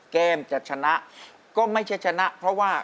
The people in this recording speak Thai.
เกมจะชนะก็ไม่ใช่ชนะเพราะว่า